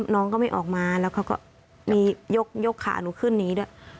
น้องก็ไม่ออกมาแล้วเขาก็มียกขาหนูขึ้นหนีด้วย